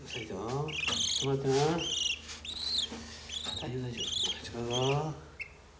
大丈夫大丈夫。